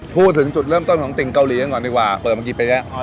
พูดถึงจุดเริ่มต้นของติ่งเกาหลีกันก่อนดีกว่าเปิดมากี่ปีแล้ว